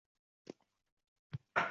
Aynan oiladagi tarbiyaga.